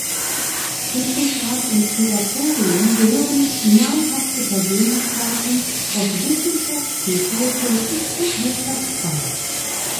Stiftungsrat und Kuratorium gehören namhafte Persönlichkeiten aus Wissenschaft, Kultur, Politik und Wirtschaft an.